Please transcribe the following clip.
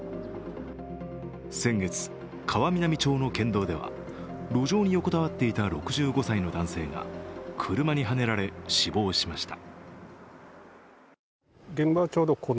先月、川南町の県道では路上に横たわっていた６５歳の男性が車にはねられ、死亡しました。